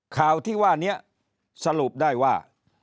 ข่าวที่ว่านี้สรุปได้ว่า